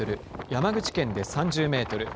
山口県で３０メートル。